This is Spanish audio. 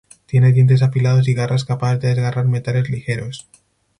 Tiene dientes afilados y garras capaces de desgarrar metales ligeros.